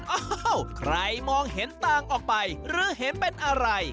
อ้าวใครมองเห็นต่างออกไปหรือเห็นเป็นอะไร